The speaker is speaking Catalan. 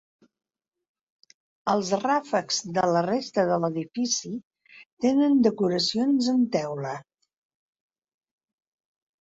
Els ràfecs de la resta de l'edifici tenen decoracions amb teula.